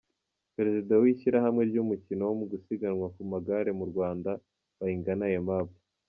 Perezida w’Ishyirahamwe ry’Umukino wo gusiganwa ku magare mu Rwanda, Bayingana Aimable .